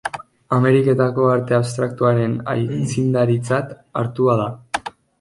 Ameriketako arte abstraktuaren aitzindaritzat hartua da.